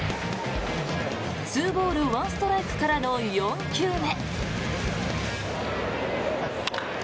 ２ボール１ストライクからの４球目。